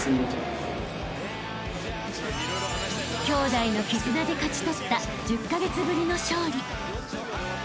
［兄弟の絆で勝ち取った１０カ月ぶりの勝利］